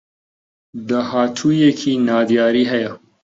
داهاتوویێکی نادیاری هەیە